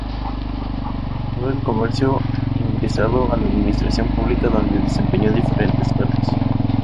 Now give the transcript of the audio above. Dejó el comercio ingresando a la administración pública donde desempeñó diferentes cargos.